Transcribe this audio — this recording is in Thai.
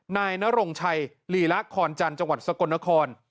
นายนรงชัยลีละคอนจันทร์จังหวัดสกลนคร